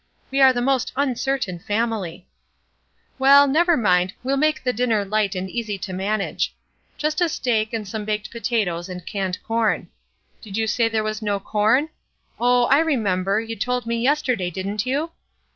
We are the most uncertain family !" Well, never mind ; we'll make the dinner light A REBEL 69 and easy to manage; just a steak and some baked potatoes and canned corn. Did you say there was no corn ? Oh, I remember, you told me yesterday, didn't you?